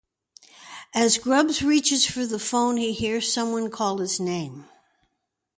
As Grubbs reaches for the phone he hears someone call his name.